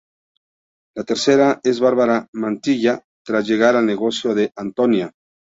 La tercera es Bárbara Mantilla, tras llegar al negocio de Antonia.